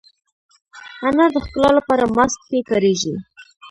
انار د ښکلا لپاره ماسک کې کارېږي.